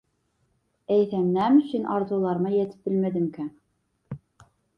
Eýsem, näme üçin arzuwlaryma ýetip bilmedimkäm?